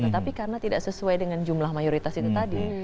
tapi karena tidak sesuai dengan jumlah mayoritas itu tadi